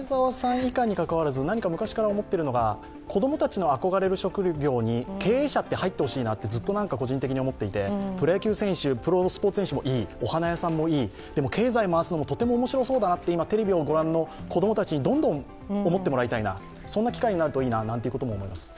いかんにかかわらず昔から思っているのが、子供たちが憧れる職業に経営者って入ってほしいなってずっと個人的に思っていてプロ野球選手、プロスポーツ選手もいい、お花屋さんもいいでも経済を回すのもとても面白そうだなと、今テレビを御覧の子供たちにどんどん思ってもらいたい、そんな機会になるといいなと思います。